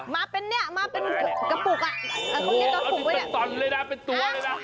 มาเป็นเนี่ยมาเป็นกระปุก